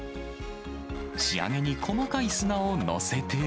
仕上げに細かい砂を載せて。